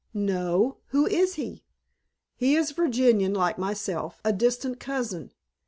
"No. Who is he?" "He is Virginian like myself a distant cousin.